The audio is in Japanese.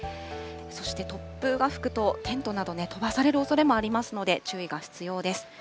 そして突風が吹くと、テントなど飛ばされるおそれもありますので、注意が必要です。